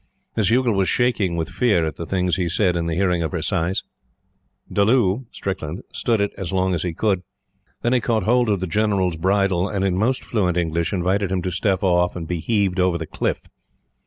Miss Youghal was shaking with fear at the things he said in the hearing of her sais. Dulloo Strickland stood it as long as he could. Then he caught hold of the General's bridle, and, in most fluent English, invited him to step off and be heaved over the cliff.